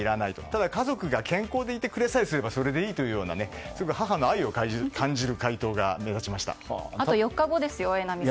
ただ、家族が健康でいてくれればそれでいいというような母の愛をあと４日後ですよ、榎並さん。